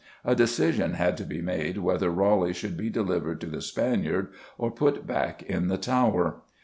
A decision had to be made whether Raleigh should be delivered to the Spaniard or put back in the Tower.